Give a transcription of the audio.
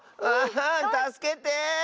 たすけて！